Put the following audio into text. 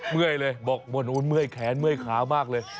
เมื่อยเลยบอกบนนู้นเมื่อยแขนเมื่อยขามากเลย